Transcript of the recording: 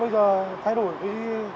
bây giờ thay đổi cái